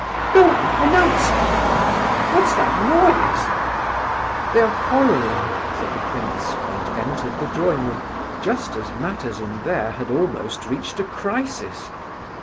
"Go on, announce me—what's that noise?" "They are quarrelling," said the prince, and entered the drawing room, just as matters in there had almost reached a crisis.